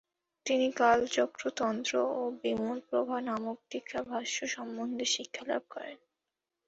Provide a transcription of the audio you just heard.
তিনি কালচক্র তন্ত্র ও বিমলপ্রভা নামক টীকাভাষ্য সম্বন্ধে শিক্ষালাভ করেন।